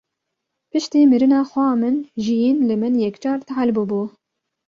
Piştî mirina xweha min jiyîn li min yekcar tehil bû bû.